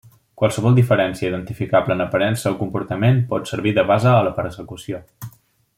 Qualsevol diferència identificable en aparença o comportament pot servir de base a la persecució.